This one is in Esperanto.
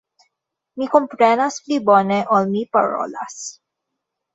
Mi komprenas pli bone ol mi parolas.